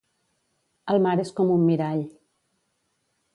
El mar és com un mirall.